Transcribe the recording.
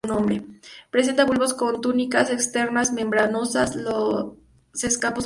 Presenta bulbos con túnicas externas membranosas; los escapos son simples.